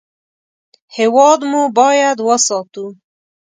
هېواد مو باید وساتو